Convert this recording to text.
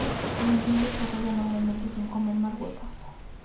El embrión desarrolla normalmente sin comer más huevos.